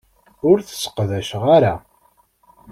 Ur t-sseqdaceɣ ara.